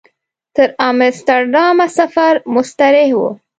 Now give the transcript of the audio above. تر امسټرډامه سفر مستریح و.